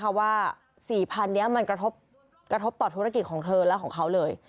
เพราะว่า๔๐๐๐นี้มันกระทบต่อธุรกิจของเธอและของเขาเลย